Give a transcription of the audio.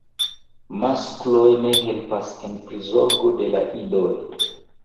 Maskloj ne helpas en prizorgo de la idoj.